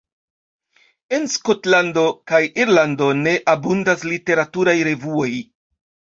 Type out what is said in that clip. En Skotlando kaj Irlando ne abundas literaturaj revuoj.